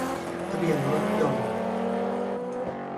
ทะเบียนรถยนต์